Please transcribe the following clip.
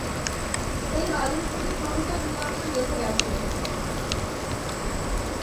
এই হ্রদের ওপর দিয়ে প্রকৃত নিয়ন্ত্রণ রেখা গেছে।